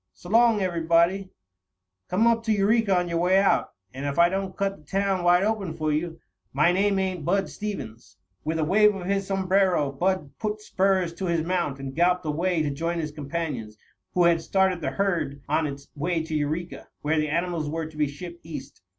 S'long everybody. Come up to Eureka on your way out, and if I don't cut the town wide open for you, my name ain't Bud Stevens." With a wave of his sombrero, Bud put spurs to his mount and galloped away to join his companions, who had started the herd on its way to Eureka, where the animals were to be shipped East.